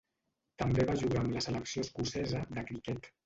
També va jugar amb la selecció escocesa de criquet.